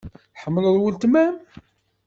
Tḥemmleḍ weltma-m?